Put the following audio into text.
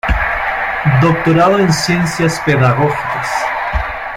Doctorado en Ciencias Pedagógicas.